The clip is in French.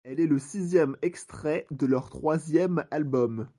Elle est le sixième extrait de leur troisième album.